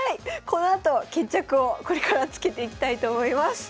このあと決着をこれからつけていきたいと思います。